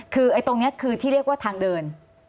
คือตรงนี้คือที่เรียกว่าทางเดิน